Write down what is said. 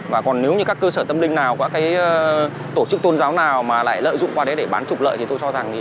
và còn nếu như các cơ sở tâm linh nào các cái tổ chức tôn giáo nào mà lại lợi dụng qua đấy để bán trục lợi thì tôi cho rằng